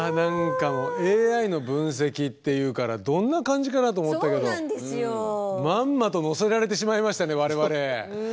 ＡＩの分析っていうからどんな感じかなと思ったけどまんまと乗せられてしまいましたね我々。